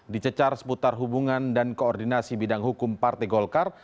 dicecar seputar hubungan dan koordinasi bidang hukum partai golkar